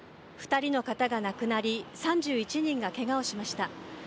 ２人の方が亡くなり３１人がけがをしました。